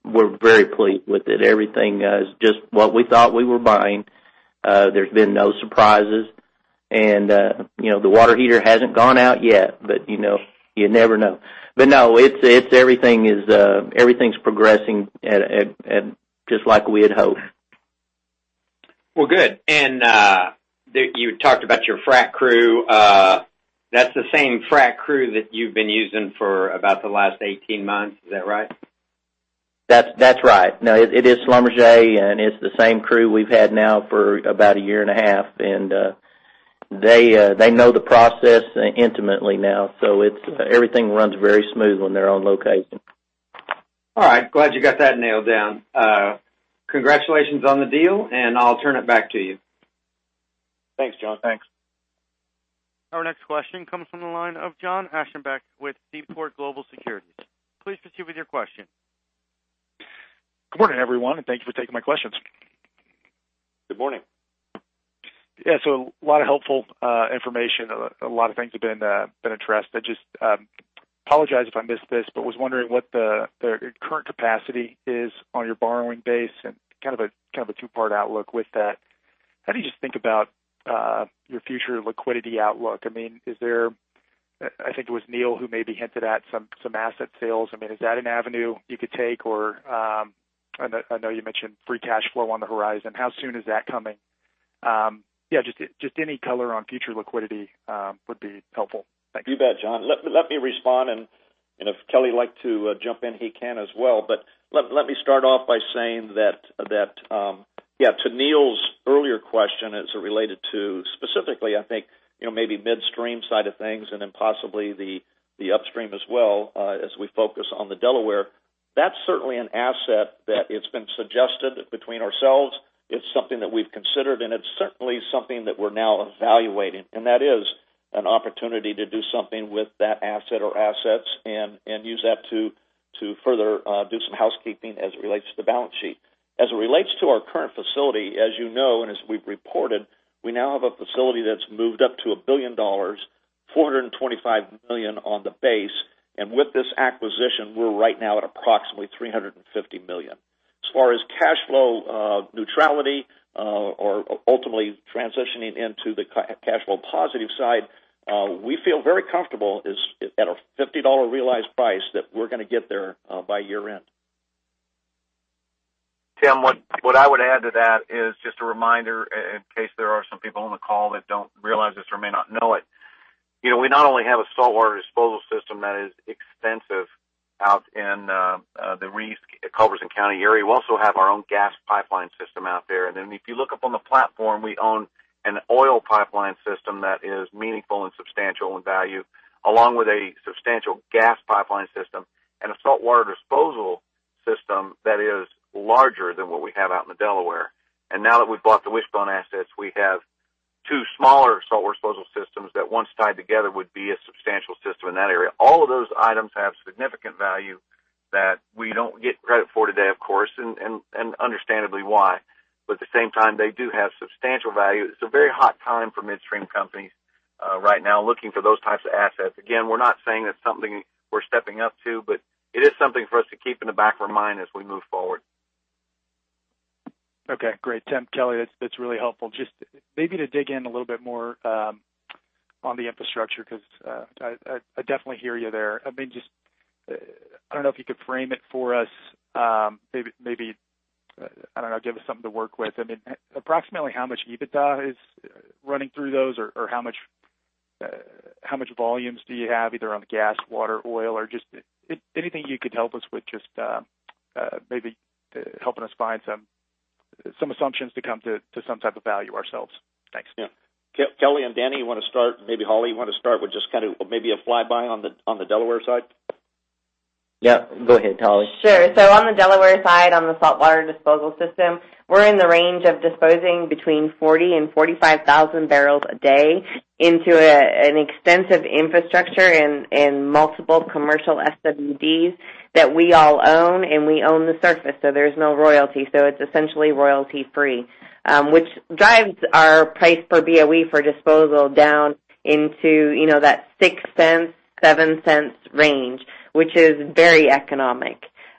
we're very pleased with it. Everything is just what we thought we were buying. There's been no surprises, the water heater hasn't gone out yet, you never know. No, everything's progressing just like we had hoped. Well, good. You talked about your frac crew. That's the same frac crew that you've been using for about the last 18 months. Is that right? That's right. No, it is Schlumberger, and it's the same crew we've had now for about a year and a half, and they know the process intimately now. Everything runs very smooth when they're on location. All right. Glad you got that nailed down. Congratulations on the deal. I'll turn it back to you. Thanks, John. Thanks. Our next question comes from the line of John Abend with Seaport Global Securities. Please proceed with your question. Good morning, everyone, and thank you for taking my questions. Good morning. Yeah, a lot of helpful information. A lot of things have been addressed. I just apologize if I missed this, but was wondering what the current capacity is on your borrowing base and kind of a two-part outlook with that. How do you just think about your future liquidity outlook? I think it was Neal who maybe hinted at some asset sales. Is that an avenue you could take? I know you mentioned free cash flow on the horizon. How soon is that coming? Yeah, just any color on future liquidity would be helpful. Thanks. You bet, John. Let me respond, and if Kelly would like to jump in, he can as well. Let me start off by saying that to Neal's earlier question as it related to specifically, I think, maybe midstream side of things and then possibly the upstream as well as we focus on the Delaware, that's certainly an asset that it's been suggested between ourselves. It's something that we've considered, and it's certainly something that we're now evaluating, and that is an opportunity to do something with that asset or assets and use that to further do some housekeeping as it relates to the balance sheet. As it relates to our current facility, as you know, and as we've reported, we now have a facility that's moved up to $1 billion, $425 million on the base, and with this acquisition, we're right now at approximately $350 million. As far as cash flow neutrality or ultimately transitioning into the cash flow positive side, we feel very comfortable at a $50 realized price that we're going to get there by year-end. Tim, what I would add to that is just a reminder, in case there are some people on the call that don't realize this or may not know it. We not only have a saltwater disposal system that is extensive out in the Reeves, Culberson County area, we also have our own gas pipeline system out there. Then if you look up on the platform, we own an oil pipeline system that is meaningful and substantial in value, along with a substantial gas pipeline system and a saltwater disposal system that is larger than what we have out in the Delaware. Now that we've bought the Wishbone assets, we have two smaller salt waste disposal systems that once tied together would be a substantial system in that area. All of those items have significant value that we don't get credit for today, of course, and understandably why. At the same time, they do have substantial value. It's a very hot time for midstream companies right now looking for those types of assets. Again, we're not saying it's something we're stepping up to, but it is something for us to keep in the back of our mind as we move forward. Okay, great. Tim, Kelly, that's really helpful. Just maybe to dig in a little bit more on the infrastructure, because I definitely hear you there. I don't know if you could frame it for us, maybe, I don't know, give us something to work with. I mean, approximately how much EBITDA is running through those or how much volumes do you have either on the gas, water, oil, or just anything you could help us with, just maybe helping us find some assumptions to come to some type of value ourselves. Thanks. Yeah. Kelly and Danny, you want to start? Maybe Hollie, you want to start with just maybe a flyby on the Delaware side? Yeah. Go ahead, Hollie. Sure. On the Delaware side, on the saltwater disposal system, we're in the range of disposing between 40,000 and 45,000 barrels a day into an extensive infrastructure in multiple commercial SWDs that we all own, and we own the surface, so there's no royalty. It's essentially royalty-free, which drives our price per BOE for disposal down into that $0.06, $0.07 range, which is very economic.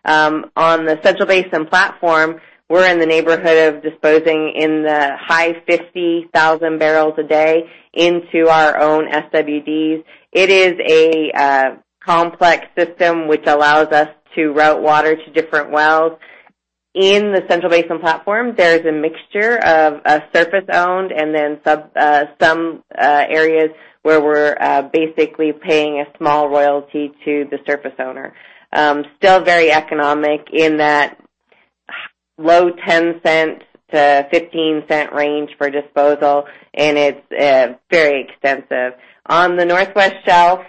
On the Central Basin Platform, we're in the neighborhood of disposing in the high 50,000 barrels a day into our own SWDs. It is a complex system which allows us to route water to different wells. In the Central Basin Platform, there's a mixture of surface-owned, and then some areas where we're basically paying a small royalty to the surface owner. Still very economic in that low $0.10-$0.15 range for disposal, and it's very extensive. On the Northwest Shelf,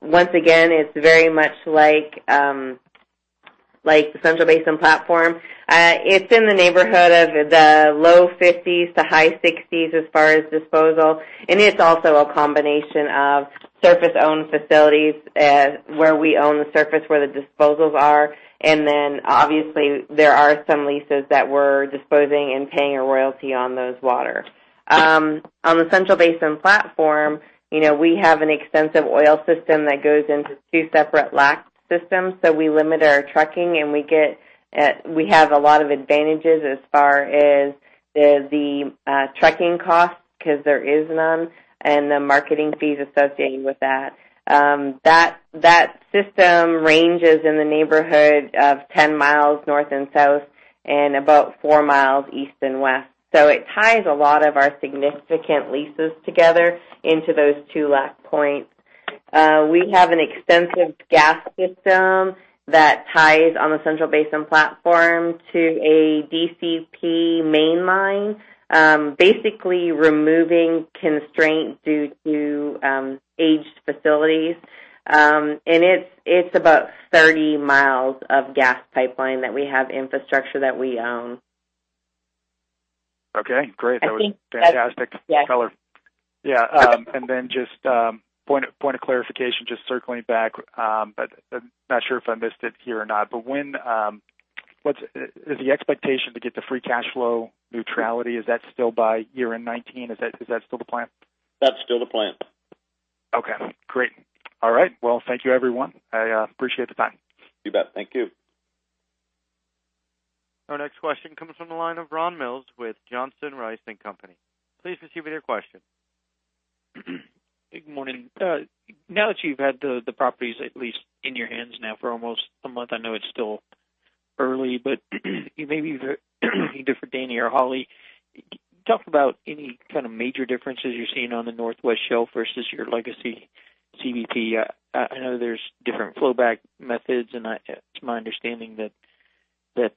once again, it's very much like the Central Basin Platform. It's in the neighborhood of the low 50s to high 60s as far as disposal, and it's also a combination of surface-owned facilities where we own the surface where the disposals are. Then obviously there are some leases that we're disposing and paying a royalty on those water. On the Central Basin Platform, we have an extensive oil system that goes into two separate LACT systems, so we limit our trucking, and we have a lot of advantages as far as the trucking cost, because there is none, and the marketing fees associated with that. That system ranges in the neighborhood of 10 miles north and south and about four miles east and west. It ties a lot of our significant leases together into those two LACT points. We have an extensive gas system that ties on the Central Basin Platform to a DCP main line, basically removing constraint due to aged facilities. It's about 30 miles of gas pipeline that we have infrastructure that we own. Okay, great. I think that's- That was fantastic color. Yes. Yeah. Then just point of clarification, just circling back, I'm not sure if I missed it here or not, the expectation to get the free cash flow neutrality, is that still by year-end 2019? Is that still the plan? That's still the plan. Okay, great. All right. Well, thank you everyone. I appreciate the time. You bet. Thank you. Our next question comes from the line of Ron Mills with Johnson Rice & Company. Please proceed with your question. Good morning. Now that you've had the properties at least in your hands now for almost a month, I know it's still early, but maybe for Danny or Hollie, talk about any kind of major differences you're seeing on the Northwest Shelf versus your legacy CBP. I know there's different flowback methods, and it's my understanding that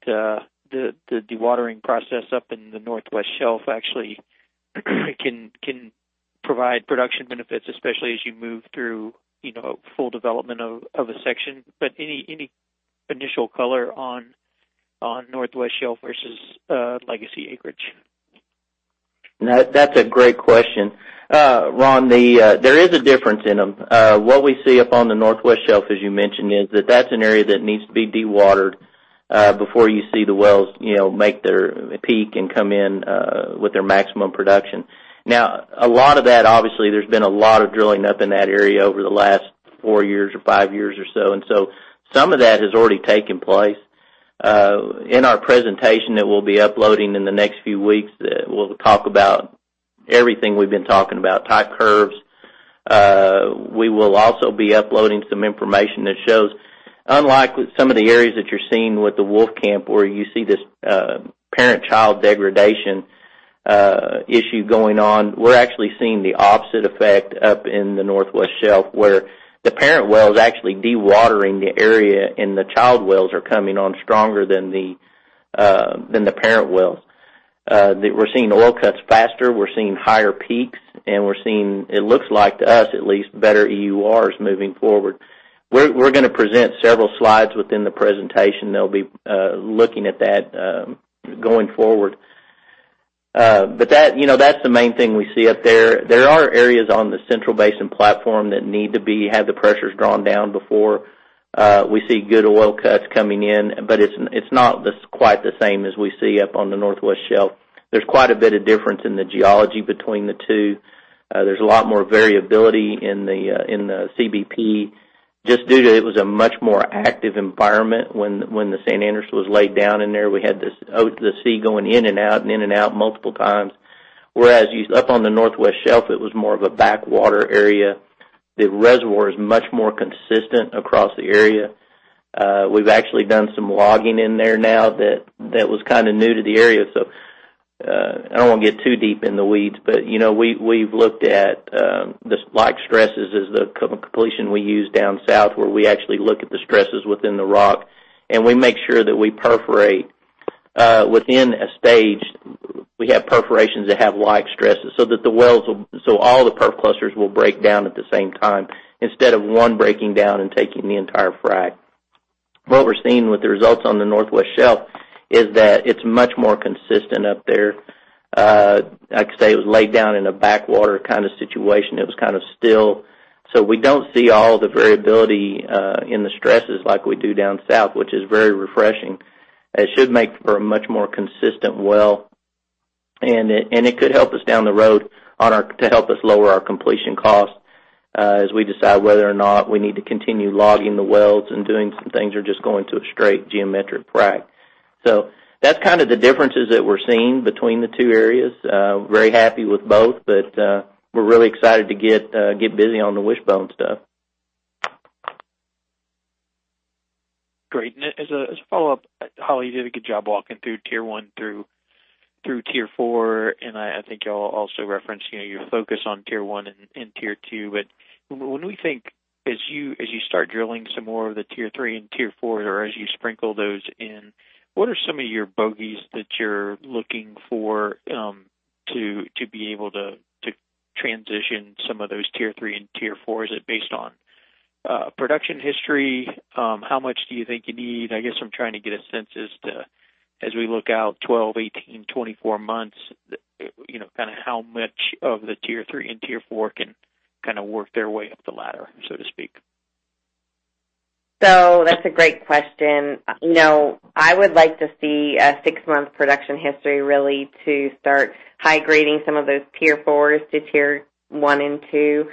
the dewatering process up in the Northwest Shelf actually can provide production benefits, especially as you move through full development of a section. Any initial color on Northwest Shelf versus legacy acreage? That's a great question. Ron, there is a difference in them. What we see up on the Northwest Shelf, as you mentioned, is that that's an area that needs to be dewatered before you see the wells make their peak and come in with their maximum production. A lot of that, obviously, there's been a lot of drilling up in that area over the last four years or five years or so, some of that has already taken place. In our presentation that we'll be uploading in the next few weeks, we'll talk about everything we've been talking about, type curves. We will also be uploading some information that shows, unlike some of the areas that you're seeing with the Wolfcamp, where you see this parent-child degradation issue going on, we're actually seeing the opposite effect up in the Northwest Shelf where the parent well's actually dewatering the area, and the child wells are coming on stronger than the parent wells. We're seeing oil cuts faster, we're seeing higher peaks, and we're seeing, it looks like to us at least, better EURs moving forward. We're going to present several slides within the presentation that'll be looking at that going forward. That's the main thing we see up there. There are areas on the Central Basin Platform that need to have the pressures drawn down before we see good oil cuts coming in, it's not quite the same as we see up on the Northwest Shelf. There's quite a bit of difference in the geology between the two. There's a lot more variability in the CBP, just due to it was a much more active environment when the San Andres was laid down in there. We had the sea going in and out, and in and out multiple times. Whereas up on the Northwest Shelf, it was more of a backwater area. The reservoir is much more consistent across the area. We've actually done some logging in there now that was new to the area. I don't want to get too deep in the weeds, but we've looked at the like stresses as the completion we use down south, where we actually look at the stresses within the rock, and we make sure that we perforate within a stage. We have perforations that have like stresses so all the perf clusters will break down at the same time, instead of one breaking down and taking the entire frac. What we're seeing with the results on the Northwest Shelf is that it's much more consistent up there. Like I say, it was laid down in a backwater situation. It was still. We don't see all the variability in the stresses like we do down south, which is very refreshing, and it should make for a much more consistent well, and it could help us down the road to help us lower our completion cost, as we decide whether or not we need to continue logging the wells and doing some things or just going to a straight geometric frac. That's the differences that we're seeing between the two areas. Very happy with both, we're really excited to get busy on the Wishbone stuff. Great. As a follow-up, Hollie, you did a good job walking through tier 1 through tier 4, and I think you all also referenced your focus on tier 1 and tier 2. When we think as you start drilling some more of the tier 3 and tier 4, or as you sprinkle those in, what are some of your bogeys that you're looking for to be able to transition some of those tier 3 and tier 4s? Is it based on production history? How much do you think you need? I guess I'm trying to get a sense as to, as we look out 12, 18, 24 months, how much of the tier 3 and tier 4 can work their way up the ladder, so to speak. That's a great question. I would like to see a six-month production history really to start high-grading some of those tier 4s to tier 1 and 2.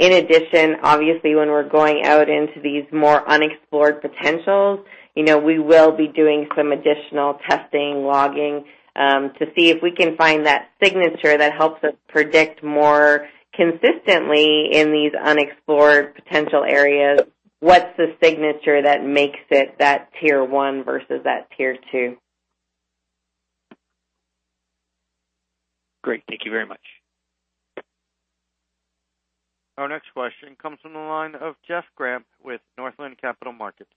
In addition, obviously, when we're going out into these more unexplored potentials, we will be doing some additional testing, logging, to see if we can find that signature that helps us predict more consistently in these unexplored potential areas. What's the signature that makes it that tier 1 versus that tier 2? Great. Thank you very much. Our next question comes from the line of Jeff Grampp with Northland Capital Markets.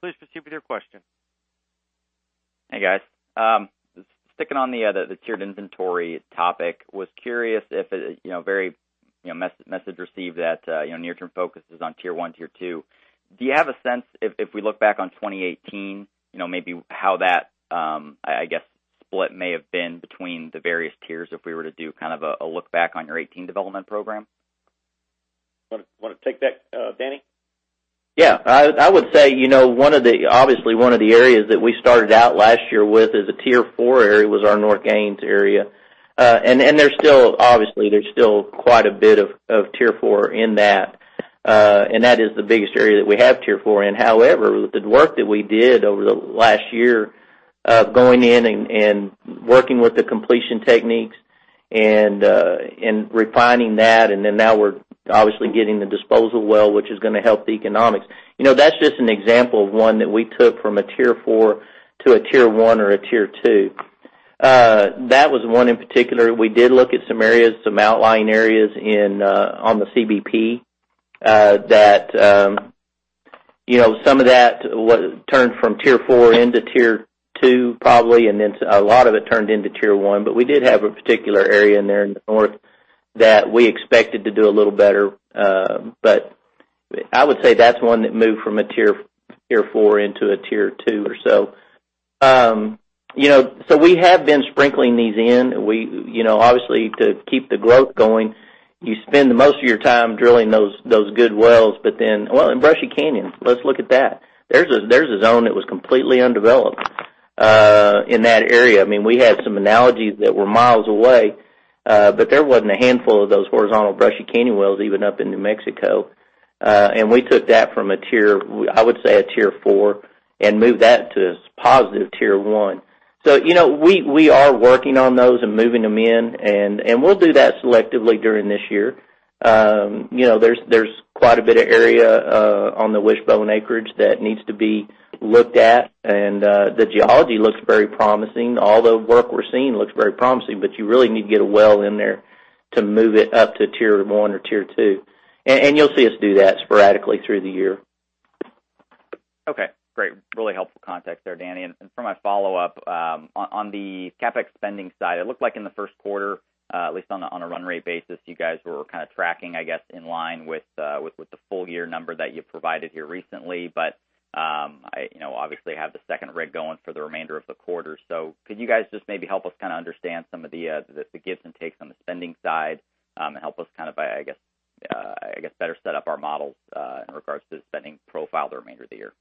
Please proceed with your question. Hey, guys. Sticking on the tiered inventory topic, was curious if, very message received that near-term focus is on tier 1, tier 2. Do you have a sense, if we look back on 2018, maybe how that, I guess, split may have been between the various tiers if we were to do a look back on your 2018 development program? Want to take that, Danny? Yeah. I would say, obviously, one of the areas that we started out last year with as a tier 4 area was our North Gaines area. Obviously, there's still quite a bit of tier 4 in that, and that is the biggest area that we have tier 4 in. However, the work that we did over the last year of going in and working with the completion techniques and refining that, then now we're obviously getting the disposal well, which is going to help the economics. That's just an example of one that we took from a tier 4 to a tier 1 or a tier 2. That was one in particular. We did look at some areas, some outlying areas on the CBP that some of that turned from tier 4 into tier 2 probably, then a lot of it turned into tier 1, but we did have a particular area in there in the north that we expected to do a little better. I would say that's one that moved from a tier 4 into a tier 2 or so. We have been sprinkling these in. Obviously, to keep the growth going, you spend the most of your time drilling those good wells. Well, in Brushy Canyon, let's look at that. There's a zone that was completely undeveloped in that area. We had some analogies that were miles away, but there wasn't a handful of those horizontal Brushy Canyon wells even up in New Mexico. We took that from a tier, I would say a tier 4, and moved that to positive tier 1. We are working on those and moving them in, and we'll do that selectively during this year. There's quite a bit of area on the Wishbone acreage that needs to be looked at, and the geology looks very promising. All the work we're seeing looks very promising, but you really need to get a well in there to move it up to tier 1 or tier 2. You'll see us do that sporadically through the year. Okay, great. Really helpful context there, Danny. For my follow-up, on the CapEx spending side, it looked like in the first quarter, at least on a run rate basis, you guys were kind of tracking, I guess, in line with the full year number that you provided here recently. Obviously have the second rig going for the remainder of the quarter. Could you guys just maybe help us understand some of the gives and takes on the spending side, and help us, I guess, better set up our models, in regards to the spending profile the remainder of the year?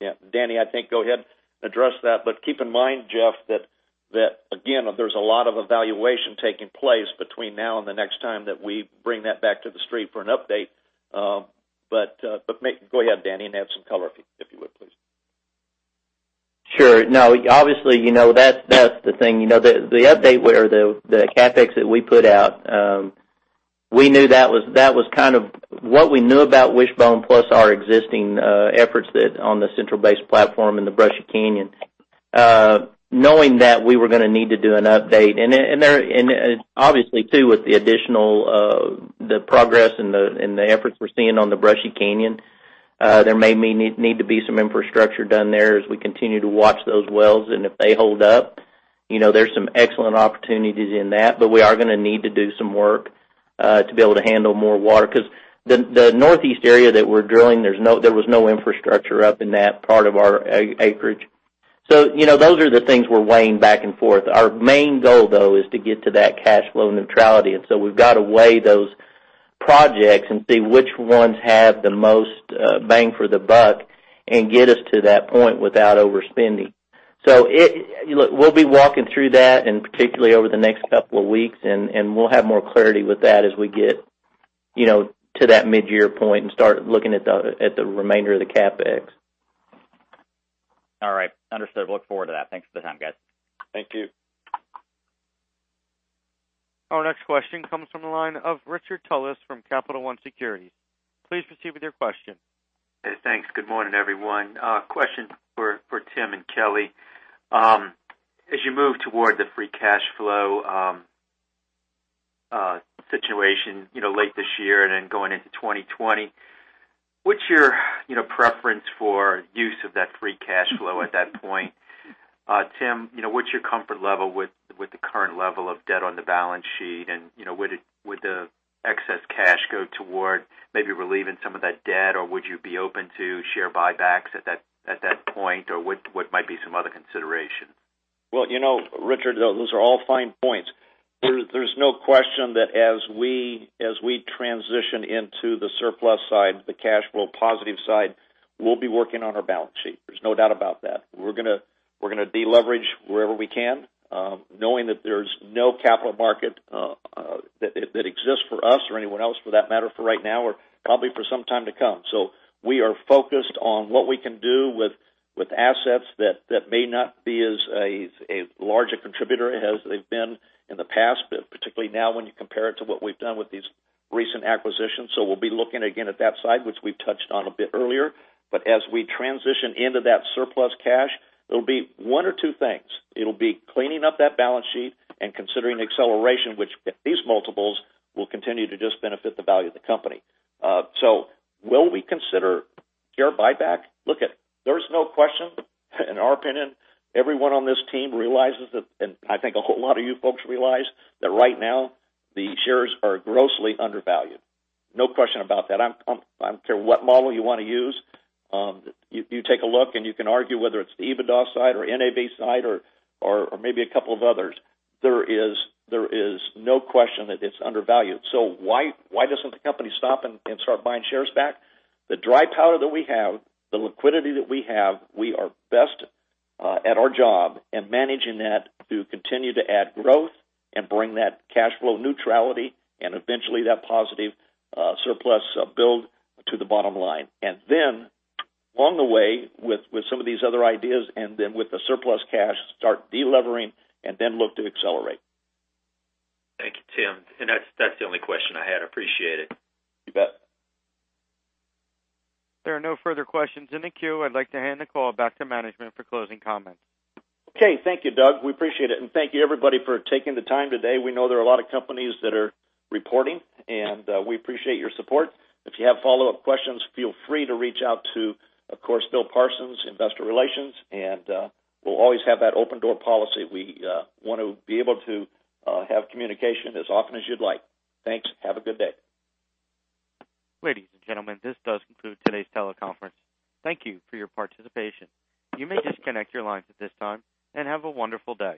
Yeah. Danny, I think go ahead, address that. Keep in mind, Jeff Grampp, that again, there's a lot of evaluation taking place between now and the next time that we bring that back to the street for an update. Go ahead, Danny, and add some color if you would, please. Sure. No, obviously, that's the thing. The update where the CapEx that we put out, what we knew about Wishbone plus our existing efforts on the Central Basin Platform in the Brushy Canyon, knowing that we were going to need to do an update. Obviously too, with the progress and the efforts we're seeing on the Brushy Canyon, there may need to be some infrastructure done there as we continue to watch those wells. If they hold up, there's some excellent opportunities in that. We are going to need to do some work, to be able to handle more water, because the northeast area that we're drilling, there was no infrastructure up in that part of our acreage. Those are the things we're weighing back and forth. Our main goal, though, is to get to that cash flow neutrality. We've got to weigh those projects and see which ones have the most bang for the buck and get us to that point without overspending. Look, we'll be walking through that, and particularly over the next couple of weeks, and we'll have more clarity with that as we get to that midyear point and start looking at the remainder of the CapEx. All right. Understood. Look forward to that. Thanks for the time, guys. Thank you. Our next question comes from the line of Richard Tullis from Capital One Securities. Please proceed with your question. Hey, thanks. Good morning, everyone. Question for Tim and Kelly. As you move toward the free cash flow situation late this year and then going into 2020, what's your preference for use of that free cash flow at that point? Tim, what's your comfort level with the current level of debt on the balance sheet, and would the excess cash go toward maybe relieving some of that debt, or would you be open to share buybacks at that point, or what might be some other consideration? Well, Richard, those are all fine points. There's no question that as we transition into the surplus side, the cash flow positive side, we'll be working on our balance sheet. There's no doubt about that. We're going to deleverage wherever we can, knowing that there's no capital market that exists for us or anyone else for that matter for right now, or probably for some time to come. We are focused on what we can do with assets that may not be as large a contributor as they've been in the past, but particularly now when you compare it to what we've done with these recent acquisitions. We'll be looking again at that side, which we've touched on a bit earlier. As we transition into that surplus cash, it'll be one or two things. It'll be cleaning up that balance sheet and considering acceleration, which at these multiples, will continue to just benefit the value of the company. Will we consider share buyback? Look, there's no question, in our opinion, everyone on this team realizes that, and I think a whole lot of you folks realize, that right now the shares are grossly undervalued. No question about that. I don't care what model you want to use. You take a look, and you can argue whether it's the EBITDA side or NAV side or maybe a couple of others. There is no question that it's undervalued. Why doesn't the company stop and start buying shares back? The dry powder that we have, the liquidity that we have, we are best at our job and managing that to continue to add growth and bring that cash flow neutrality and eventually that positive surplus build to the bottom line. Along the way with some of these other ideas, and then with the surplus cash, start de-levering and then look to accelerate. Thank you, Tim. That's the only question I had. Appreciate it. You bet. There are no further questions in the queue. I'd like to hand the call back to management for closing comments. Okay. Thank you, Doug. We appreciate it. Thank you, everybody, for taking the time today. We know there are a lot of companies that are reporting, and we appreciate your support. If you have follow-up questions, feel free to reach out to, of course, Bill Parsons, Investor Relations, and we'll always have that open door policy. We want to be able to have communication as often as you'd like. Thanks. Have a good day. Ladies and gentlemen, this does conclude today's teleconference. Thank you for your participation. You may disconnect your lines at this time, and have a wonderful day.